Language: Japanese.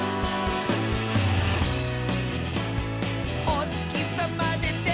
「おつきさまでて」